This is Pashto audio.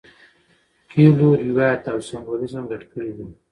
کویلیو روایت او سمبولیزم ګډ کړي دي.